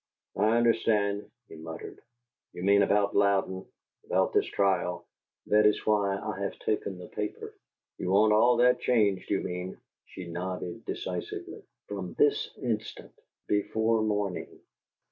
"I understand," he muttered. "You mean about Louden about this trial " "That is why I have taken the paper." "You want all that changed, you mean?" She nodded decisively. "From this instant. Before morning."